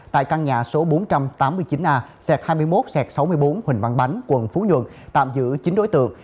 tại căn nhà số bốn trăm tám mươi chín a xẹt hai mươi một sáu mươi bốn huỳnh văn bánh quận phú nhuận tạm giữ chín đối tượng